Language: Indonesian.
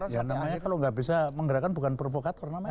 ya namanya kalau nggak bisa menggerakkan bukan provokator namanya